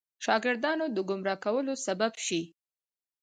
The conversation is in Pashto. شاګردانو د ګمراه کولو سبب شي.